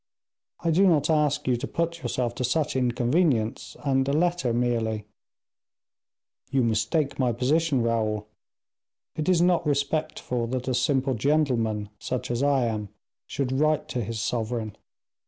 "I do not ask you to put yourself to such inconvenience, and a letter merely " "You mistake my position, Raoul; it is not respectful that a simple gentleman, such as I am, should write to his sovereign.